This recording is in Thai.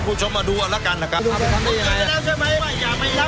โดยโดย